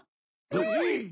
うん！